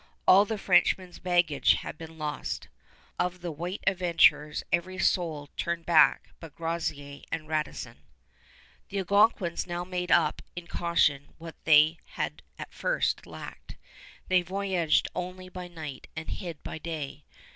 All the Frenchmen's baggage had been lost. Of the white adventurers every soul turned back but Groseillers and Radisson. The Algonquins now made up in caution what they had at first lacked. They voyaged only by night and hid by day.